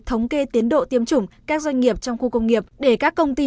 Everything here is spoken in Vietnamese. thống kê tiến độ tiêm chủng các doanh nghiệp trong khu công nghiệp để các công ty